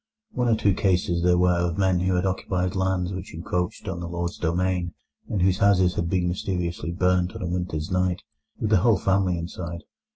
One or two cases there were of men who had occupied lands which encroached on the lord's domain, and whose houses had been mysteriously burnt on a winter's night, with the whole family inside.